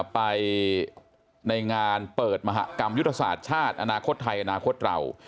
ไปในงานเปิดมหากรรมยุทธศาสตร์ชาติอนาคตไทยอนาคตเรา